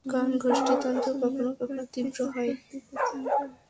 কারণ গোষ্ঠীতন্ত্র কখনো কখনো তীব্র হয়, আবার কখনো কখনো স্তিমিত হয়।